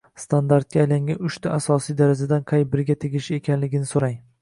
standartga aylangan uchta asosiy darajadan qay biriga tegishli ekanligini so’rang